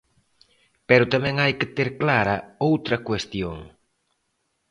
Pero tamén hai que ter clara outra cuestión.